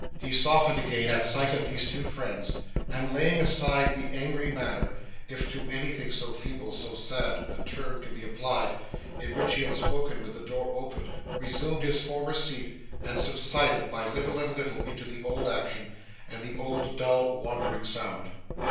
He softened again at sight of these two friends, and, laying aside the angry manner if to anything so feeble and so sad the term can be applied in which he had spoken when the door opened, resumed his former seat, and subsided, by little and little into the old action, and the old, dull, wandering sound.